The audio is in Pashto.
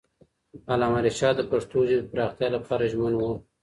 علامه رشاد د پښتو ژبې د پراختیا لپاره ژمن وو.